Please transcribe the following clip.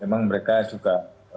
memang mereka juga